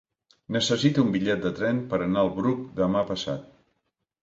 Necessito un bitllet de tren per anar al Bruc demà passat.